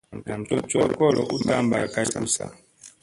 Nam tut col u tamba kay ussa.